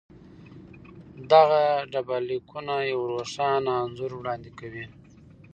دغه ډبرلیکونه یو روښانه انځور وړاندې کوي.